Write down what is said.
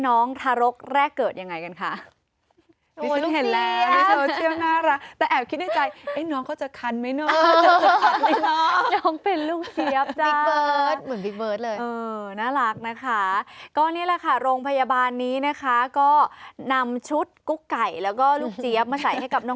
น้องเป็นลูกเจี๊ยบจ้ะ